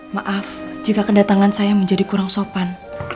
maaf jika kedatangan saya menjadi kurang sopan